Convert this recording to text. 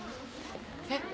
えっ？